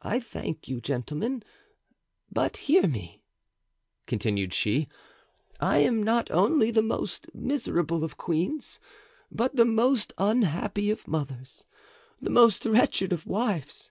"I thank you, gentlemen. But hear me," continued she. "I am not only the most miserable of queens, but the most unhappy of mothers, the most wretched of wives.